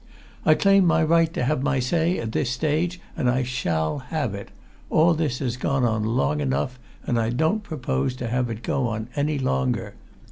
"I claim my right to have my say, at this stage, and I shall have it all this has gone on long enough, and I don't propose to have it go on any longer.